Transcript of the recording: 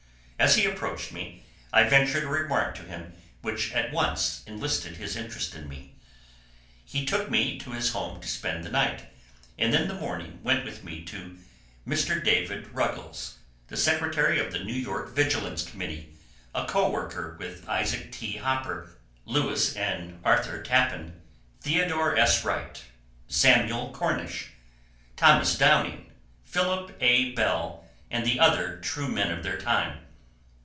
As he approached me, I ventured a remark to him which at once enlisted his interest in me. He took me to his home to spend the night, and in the morning went with me to Mr. David Ruggles, the secretary of the New York Vigilance Committee, a co worker with Isaac T. Hopper, Lewis and Arthur Tappan, Theodore S. Wright, Samuel Cornish, Thomas Downing, Philip A. Bell, and other true men of their time.